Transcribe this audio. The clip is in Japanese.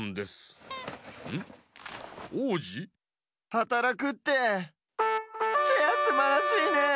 はたらくってチェアすばらしいね。